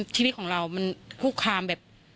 ชีวิตของเรามันคุกคามแบบ